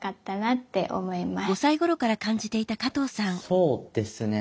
そうですね。